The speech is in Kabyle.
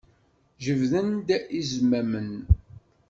Jebdent-d izmamen.